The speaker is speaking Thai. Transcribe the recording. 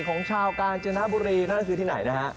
ของชาวกาญจนบุรีนั่นคือที่ไหนนะฮะ